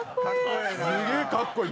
すげぇかっこいい。